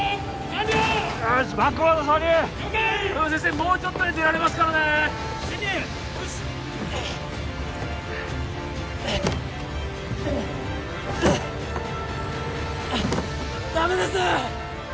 もうちょっとで出られますからねダメです！